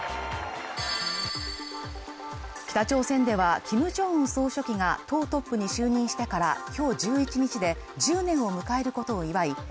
北朝鮮ではキム・ジョンウン総書記が党トップに就任してからきょう１１日で１０年を迎えることを祝い